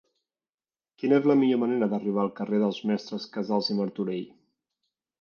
Quina és la millor manera d'arribar al carrer dels Mestres Casals i Martorell?